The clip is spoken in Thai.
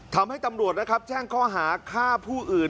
ทำให้ตำรวจนะครับแจ้งข้อหาฆ่าผู้อื่น